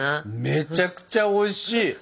めちゃくちゃおいしい！